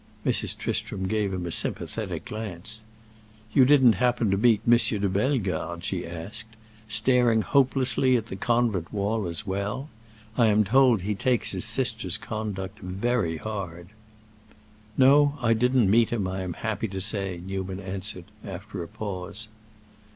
Mrs. Tristram gave him a sympathetic glance. "You didn't happen to meet M. de Bellegarde," she asked, "staring hopelessly at the convent wall as well? I am told he takes his sister's conduct very hard." "No, I didn't meet him, I am happy to say," Newman answered, after a pause.